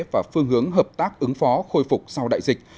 và phương hướng hợp tác ứng phó khôi phục sau đại dịch